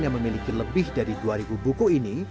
yang memiliki lebih dari dua ribu buku ini